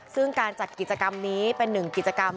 ซึ่งการจัดกิจกรรมนี้เป็นหนึ่งกิจกรรม